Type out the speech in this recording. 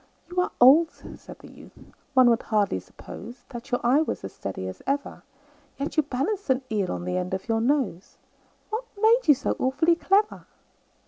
"You are old," said the youth, "one would hardly suppose That your eye was as steady as ever; Yet you balanced an eel on the end of your nose What made you so awfully clever?"